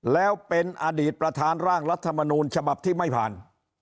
แล้วเป็นอดีตประธานร่างรัฐมนูลฉบับที่ไม่ผ่าน